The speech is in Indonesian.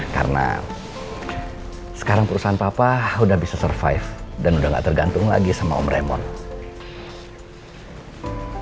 karena sekarang perusahaan papa udah bisa survive dan udah gak tergantung lagi sama om remor